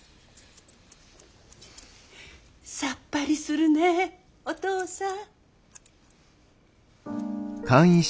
さっぱりするねえお父さん。